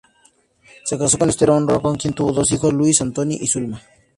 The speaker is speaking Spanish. Se casó con Esther Horn con quien tuvo dos hijos: Luis Antonio y Zulma.